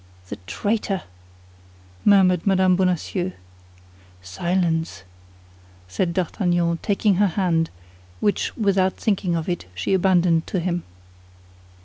"The traitor!" murmured Mme. Bonacieux. "Silence!" said D'Artagnan, taking her hand, which, without thinking of it, she abandoned to him.